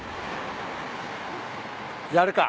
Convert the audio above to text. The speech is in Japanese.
やるか。